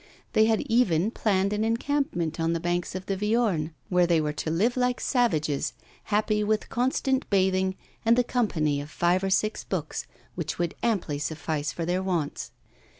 They had even planned an encampment on the banks of the Viorne, where they were to live like savages, happy with constant bathing, and the company of five or six books, which would amply suffice for their wants.